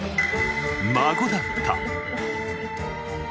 孫だった。